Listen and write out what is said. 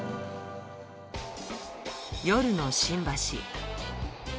夜の新橋。